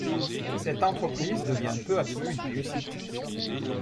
Cette entreprise devient peu à peu une réussite.